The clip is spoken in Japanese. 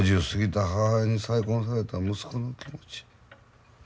５０過ぎた母親に再婚された息子の気持ち。